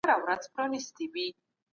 یوه ټولنه له بلې سره مقایسه کیږي.